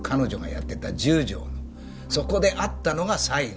そこで会ったのが最後。